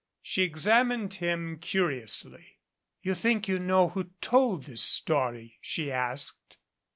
She examined him curiously. "You think you know who told this story?" she asked.